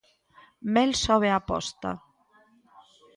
Mel sobe a aposta.